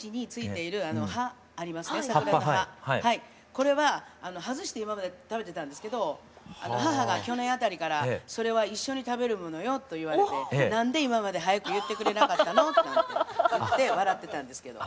これは外して今まで食べてたんですけど母が去年あたりから「それは一緒に食べるものよ」と言われて「何で今まで早く言ってくれなかったの？」なんて言って笑ってたんですけど。